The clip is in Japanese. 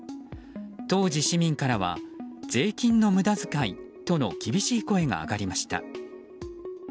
当時、市民からは税金の無駄遣いとの厳しい声が上がりました。